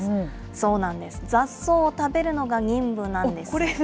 そうなんです、雑草を食べるのが任務なんです。